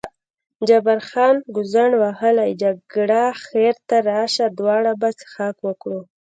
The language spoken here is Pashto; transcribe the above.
جبار خان: ګوزڼ وهلې جګړه، خیر ته راشه دواړه به څښاک وکړو.